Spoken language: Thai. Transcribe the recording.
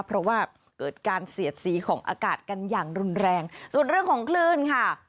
เพราะว่าเกิดการเสียดสีของอากาศกันอย่างรุนแรงส่วนเรื่องของคลื่นค่ะ